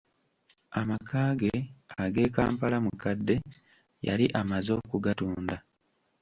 Amaka ge ag'e Kampala-Mukadde, yali amaze okugatunda.